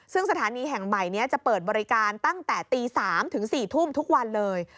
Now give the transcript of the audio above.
ซึ่งสถานีแห่งใหม่นี้จะเปิดบริการตั้งแต่ตี๓ถึง๔ทุ่มทุกวันเลย